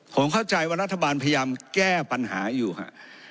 ผมเข้าใจว่ารัฐบาลพยายามแก้ปัญหาอยู่ครับ